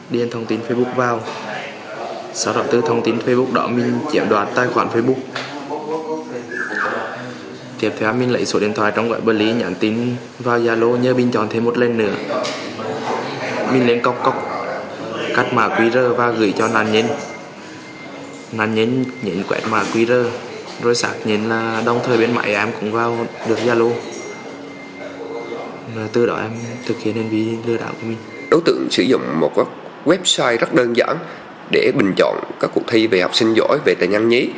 đối tượng sử dụng một website rất đơn giản để bình chọn các cuộc thi về học sinh giỏi về tài nhanh nhí